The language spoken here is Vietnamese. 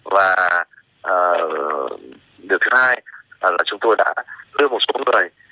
và điều thứ hai là chúng tôi đã đưa một số người